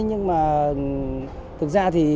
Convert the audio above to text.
nhưng mà thực ra